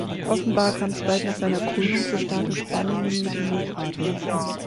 Offenbar kam es bald nach seiner Krönung zu starken Spannungen mit dem Hochadel.